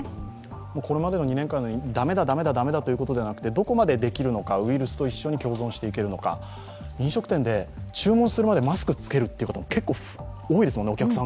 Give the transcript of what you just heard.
これまでの２年間、だめだだめだということではなくてどこまでできるのか、ウイルスと一緒に共存していけるのか、飲食店で注文するまでマスクつけるという方もお客さん側で多いですもんね。